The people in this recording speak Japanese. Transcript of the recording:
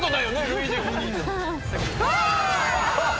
うわ！